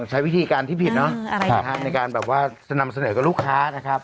ใช้วิธีการที่ผิดเนาะในการแบบว่าจะนำเสนอกับลูกค้านะครับ